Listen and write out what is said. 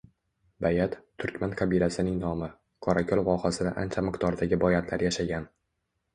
Bayat – turkman qabilasining nomi. Qorako‘l vohasida ancha miqdordagi boyatlar yashagan.